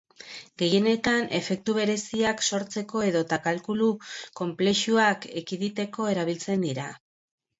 Gehienetan efektu bereziak sortzeko edota kalkulu konplexuak ekiditeko erabiltzen dira.